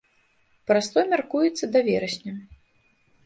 Прастой мяркуецца да верасня.